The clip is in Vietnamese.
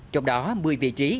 trong đó một mươi vị trí